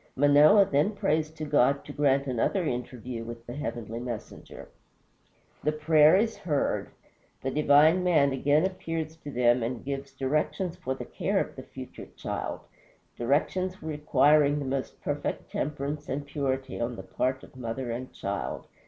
Manoah then prays to God to grant another interview with the heavenly messenger. The prayer is heard; the divine Man again appears to them and gives directions for the care of the future child, directions requiring the most perfect temperance and purity on the part of both mother and child.